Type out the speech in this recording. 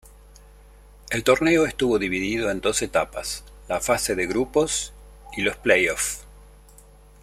El torneo estuvo dividido en dos etapas, la fase de grupos y los play-offs.